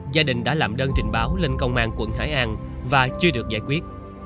gia đình đã làm đơn trình báo lên công an quận hải an và chưa được giải quyết